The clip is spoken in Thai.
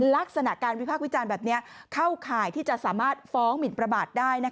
ลักษณะการวิพากษ์วิจารณ์แบบนี้เข้าข่ายที่จะสามารถฟ้องหมินประมาทได้